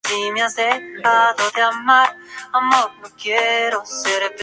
Buen defensor, es muy difícil de superar por sus oponentes.